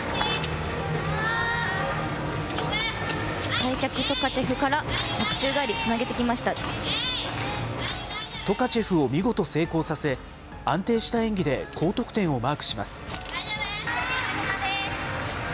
開脚、トカチェフから宙返り、トカチェフを見事成功させ、安定した演技で高得点をマークします。